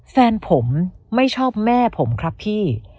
แฟนผมไม่ชอบแม่ผมครับพี่